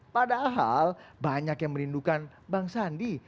padahal banyak yang merindukan bang sandi